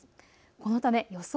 このため予想